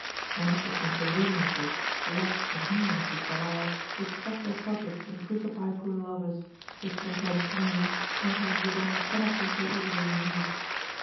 Many such inconveniences, lets, and hindrances there are, which cross their projects and crucify poor lovers, which sometimes may, sometimes again cannot be so easily removed.